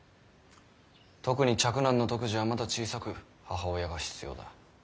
特に嫡男の篤二はまだ小さく母親が必要だ。